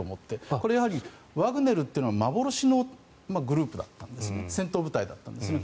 これはワグネルというのは幻のグループだったんです戦闘部隊だったんですね。